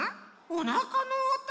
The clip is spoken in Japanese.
おなかのおと？